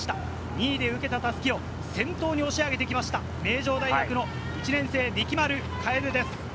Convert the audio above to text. ２位で受けた襷を先頭に押し上げてきました名城大学の１年生・力丸楓です。